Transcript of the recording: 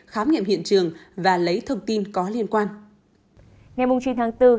khám nghiệm hiện trường và lấy thông tin có liên quan